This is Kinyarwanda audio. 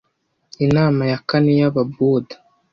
Inama ya kane y'Ababuda